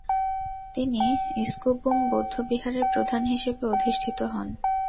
তিনি স্কু-'বুম বৌদ্ধবিহারের প্রধান হিসেবে অধিষ্ঠিত হন।